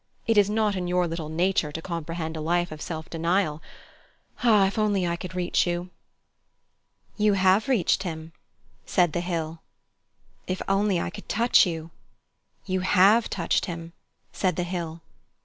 It is not in your little nature to comprehend a life of self denial. Ah! if only I could reach you!" "You have reached him," said the hill. "If only I could touch you!" "You have touched him," said the hill.